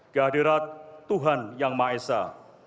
kehadirat tuhan yang ma'esah